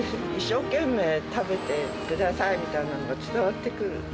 一生懸命食べてくださいみたいなのが伝わってくる。